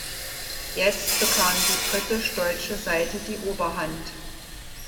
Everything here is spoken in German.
Jetzt bekam die britisch-deutsche Seite die Oberhand.